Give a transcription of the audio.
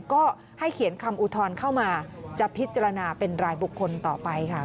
ก็ให้เขียนคำอุทธรณ์เข้ามาจะพิจารณาเป็นรายบุคคลต่อไปค่ะ